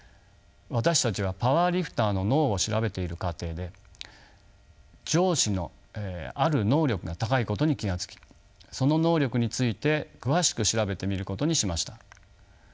私たちはパワーリフターの脳を調べている過程で上肢のある能力が高いことに気が付きその能力について詳しく調べてみることにしました。